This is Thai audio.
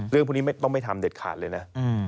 เรื่องพวกนี้ไม่ต้องไปทำเด็ดขาดเลยนะ